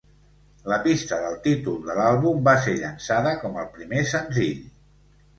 La pista del títol de l'àlbum va ser llançada com el primer senzill.